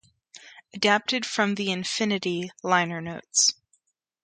Adapted from the "Infinity" liner notes.